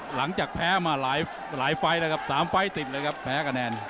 หลังจากแพ้มาหลายไฟล์แล้วครับ๓ไฟล์ติดเลยครับแพ้คะแนน